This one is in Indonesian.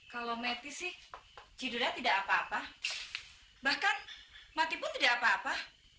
kalau mati sih judulnya tidak apa apa bahkan mati pun tidak apa apa